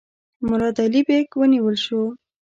مراد علي بیګ ونیول شو.